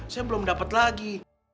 saya belum dapet lagi